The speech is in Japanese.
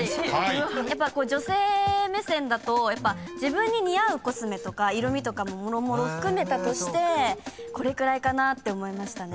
やっぱこう女性目線だと自分に似合うコスメとか色みとかもろもろ含めたとしてこれくらいかなって思いましたね。